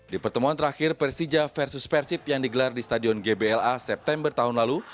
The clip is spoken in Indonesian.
di pertemuan terakhir persija versus persib yang digelar di stadion gbla september tahun lalu